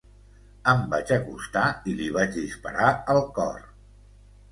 Em vaig acostar i li vaig disparar al cor.